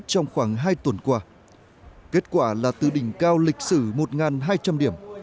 trong khoảng hai tuần qua kết quả là từ đỉnh cao lịch sử một hai trăm linh điểm